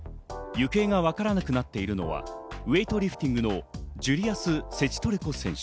行方がわからなくなってるのは、ウエイトリフティングのジュリアス・セチトレコ選手。